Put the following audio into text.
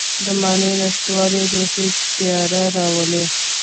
د معنی نشتوالی روحي تیاره راولي.